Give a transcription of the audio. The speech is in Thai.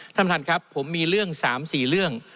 ท่านประธานครับผมมีเรื่อง๓๔เรื่อง